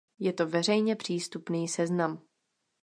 Je to veřejně přístupný seznam.